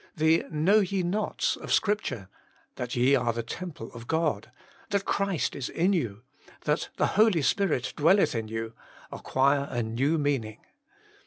The know ye nofs of Scripture — that ye are the temple of God — that Christ is in you — ^that the Holy Spirit dwelleth in you — acquire a new meaning.